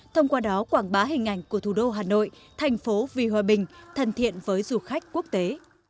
thông qua đó quảng bá hình ảnh của thủ đô hà nội thành phố vì hòa bình thân thiện với du khách quốc tế